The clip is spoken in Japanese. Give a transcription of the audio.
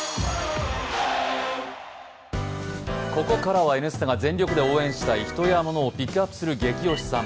ここからは「Ｎスタ」が全力で応援したいヒトやモノをピックアップする「ゲキ推しさん」